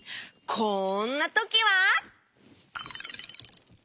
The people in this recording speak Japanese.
こんなときは！